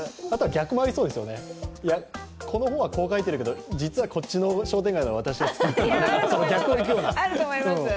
逆もありそうですよね、この本はこう書いてるけど、私はこっちの商店街の方が好きとか。